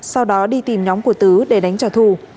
sau đó đi tìm nhóm của tứ để đánh trả thù